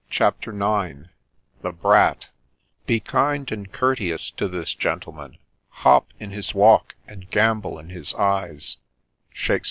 CHAPTER IX tCbt JSrat m " Be kind and courteous to this gentleman; hop in his walk and gambol in his eyes."